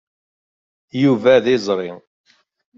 Yuba d izri.